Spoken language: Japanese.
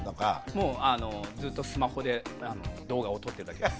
もうずっとスマホで動画を撮ってるだけです。